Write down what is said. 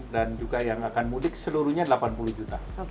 dan juga yang akan mudik seluruhnya delapan puluh juta